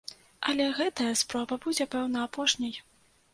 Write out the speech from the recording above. Але гэтая спроба будзе, пэўна, апошняй.